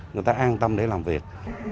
người ta an tâm để làm việc